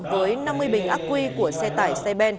với năm mươi bình ác quy của xe tải xe ben